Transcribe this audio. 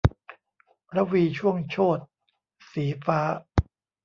รวีช่วงโชติ - สีฟ้า